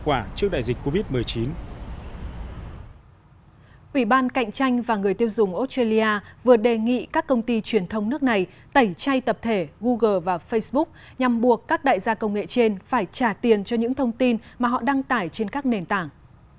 australia vừa đề nghị các công ty truyền thông nước này tẩy chay tập thể google và facebook nhằm buộc các đại gia công nghệ trên phải trả tiền cho những thông tin mà họ đăng tải trên các nền tảng